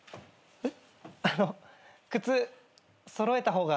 えっ？